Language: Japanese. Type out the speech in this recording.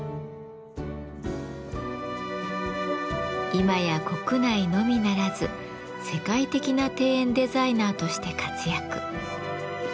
今や国内のみならず世界的な庭園デザイナーとして活躍。